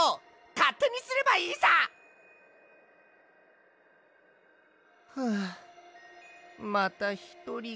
かってにすればいいさ！はあまたひとりか。